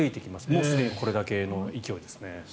もうすでにこれだけの勢いですね。